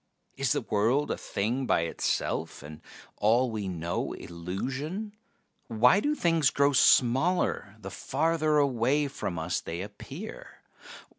Is the world a thing by itself, and all we know illusion? Why do things grow smaller the farther away from us they appear?